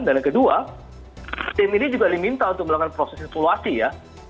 dan yang kedua tim ini juga diminta untuk melakukan proses evaluasi ya